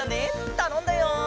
たのんだよ。